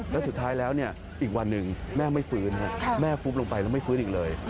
แล้วสุดท้ายแล้วอีกวันหนึ่งแม่ไม่ฟื้นแม่ฟุบลงไปแล้วไม่ฟื้นอีกเลย